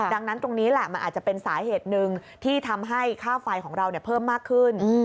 ดังนั้นตรงนี้แหละมันอาจจะเป็นสาเหตุหนึ่งที่ทำให้ค่าไฟของเราเพิ่มมากขึ้น